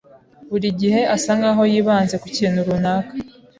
buri gihe asa nkaho yibanze kukintu runaka.